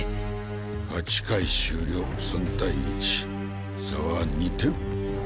８回終了３対１差は２点。